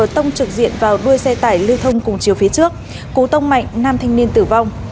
tông trực diện vào đuôi xe tải lưu thông cùng chiều phía trước cú tông mạnh nam thanh niên tử vong